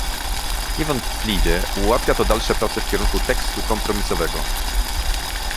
Niewątpliwie ułatwia to dalsze prace w kierunku tekstu kompromisowego